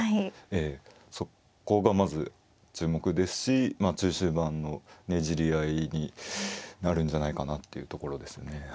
そこがまず注目ですし中終盤のねじり合いになるんじゃないかなというところですね。